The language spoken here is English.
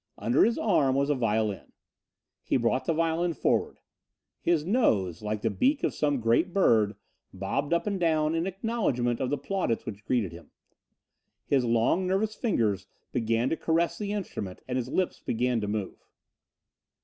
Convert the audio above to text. Under his arm was a violin. He brought the violin forward. His nose, like the beak of some great bird, bobbed up and down in acknowledgment of the plaudits which greeted him. His long nervous fingers began to caress the instrument and his lips began to move.